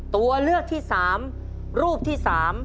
ตัวเลือกที่๓รูปที่๓